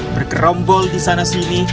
bergerombol di sana sini